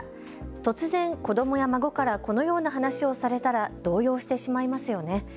突然、子どもや孫からこのような話をされたら動揺してしまいますよね。